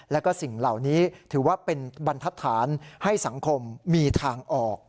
แล้วก็สิ่งเหล่านี้ถือว่าเป็นบรรทัศนให้สังคมมีทางออก